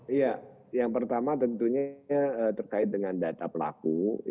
iya yang pertama tentunya terkait dengan data pelaku